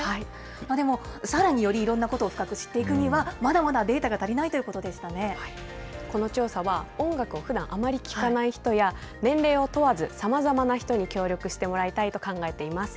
でもさらに、より深く知っていくためにはまだまだデータが足りなこの調査は、音楽をふだんあまり聴かない人や、年齢を問わず、さまざまな人に協力してもらいたいと考えています。